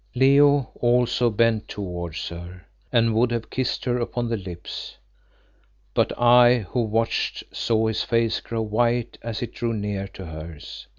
Leo also bent towards her, and would have kissed her upon the lips. But I who watched, saw his face grow white as it drew near to hers.